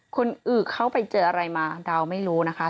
คนอื่นเข้าไปเจออะไรมาดาวไม่รู้นะคะ